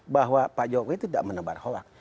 bahwa pak jokowi itu tidak menebar hoax